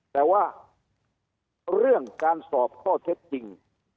แต่ว่าเรื่องการสอบข้อเท็จจริง